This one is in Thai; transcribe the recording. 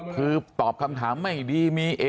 คือตอบคำถามไม่ดีมีเอ